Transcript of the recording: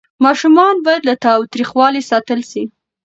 ماشومان باید له تاوتریخوالي ساتل سي.